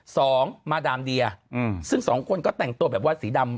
สองมาดามเดียอืมซึ่งสองคนก็แต่งตัวแบบว่าสีดำ